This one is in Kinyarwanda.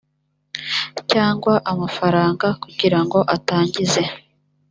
cyangwa amafaranga kugira ngo atangize